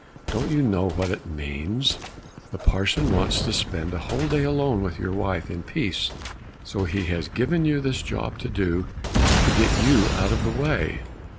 Don't you know what it means? The parson wants to spend a whole day alone with your wife in peace, so he has given you this job to do to get you out of the way."